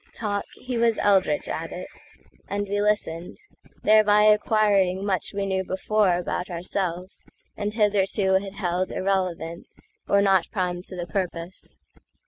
Talk? He was eldritch at it; and we listened—Thereby acquiring much we knew beforeAbout ourselves, and hitherto had heldIrrelevant, or not prime to the purpose.